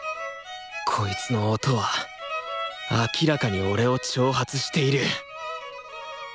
こいつの音は明らかに俺を挑発している！